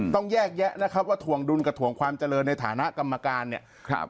ต้องแยกแยะนะครับว่าถวงดุลกับถวงความเจริญในฐานะกรรมการเนี่ย